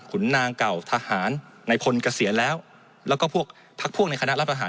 ขุนนางเก่าทหารไหนพลเกษียรแล้วและพวกพักพวกในคณะรับทหาร